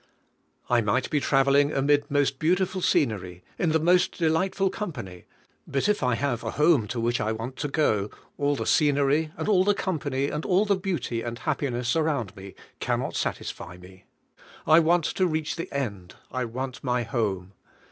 I might be traveling amid most beautiful scenery, in the most delightful com pany ; but if I have a home to which I want to go, all the scenery, and all the company, and all the beauty and happiness around me can not satisfy me; I want to reach the end; I want my home.